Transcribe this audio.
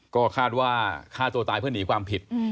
ก็คาดว่าฆ่าตัวตายเพื่อหนีความผิด